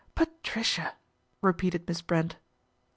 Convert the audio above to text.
" Patricia !" repeated Miss Brent.